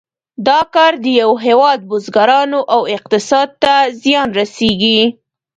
دا کار د یو هېواد بزګرانو او اقتصاد ته زیان رسیږي.